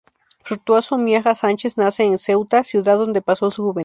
Fructuoso Miaja Sánchez nace en Ceuta, ciudad donde pasó su juventud.